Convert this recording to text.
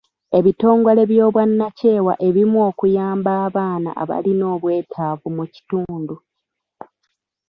Ebitongole by'obwannakyewa ebimu okuyamba abaana abalina obwetaavu mu kitundu.